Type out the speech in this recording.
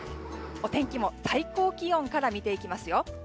お天気も最高気温から見ていきますよ。